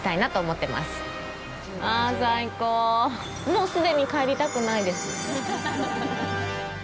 もう既に帰りたくないです。